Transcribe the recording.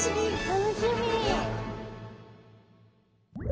楽しみ。